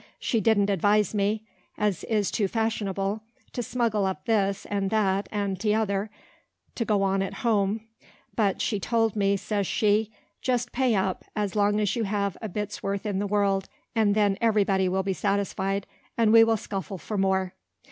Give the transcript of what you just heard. She didn't advise me, as is too fashionable, to smuggle up this, and that, and t'other, to go on at home; but she told me, says she, "Just pay up, as long as you have a bit's worth in the world; and then every body will be satisfied, and we will scuffle for more."